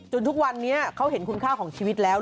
ทุกวันนี้เขาเห็นคุณค่าของชีวิตแล้ว